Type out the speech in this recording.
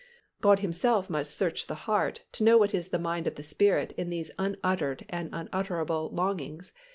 God Himself "must search the heart" to know what is "the mind of the Spirit" in these unuttered and unutterable longings.